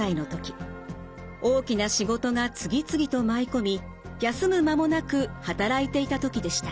大きな仕事が次々と舞い込み休む間もなく働いていた時でした。